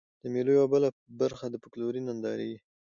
د مېلو یوه بله برخه د فکلوري نندارې يي.